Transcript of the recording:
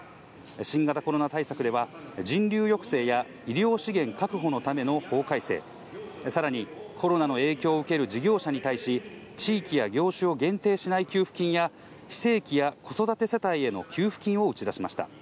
新型コロナ対策では、人流抑制や医療資源確保のための法改正、さらにコロナの影響を受ける事業者に対し、地域や業種を限定しない給付金や、非正規や子育て世帯への給付金を打ち出しました。